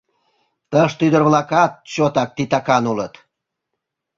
Тыште ӱдыр-влакат чотак титакан улыт.